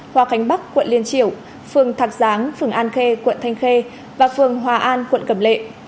hòa khánh bắc quận liên triểu phường thạc giáng phường an khê quận thanh khê và phường hòa an quận cầm lệ